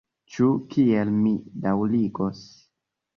Ĉu kiel mi daŭrigos?..